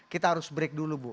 kita harus break dulu bu